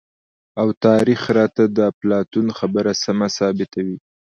او تاريخ راته د اپلاتون خبره سمه ثابته وي،